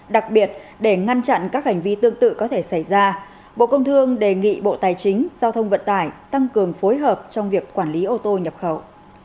đặc biệt để ngăn chặn các hành vi tương tự có thể xảy ra bộ công thương đề nghị bộ tài chính giao thông vận tải tăng cường phối hợp trong việc quản lý ô tô nhập khẩu